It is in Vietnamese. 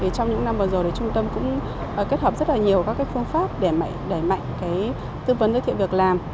trong những năm vừa rồi trung tâm cũng kết hợp rất nhiều các phương pháp để đẩy mạnh tư vấn giới thiệu việc làm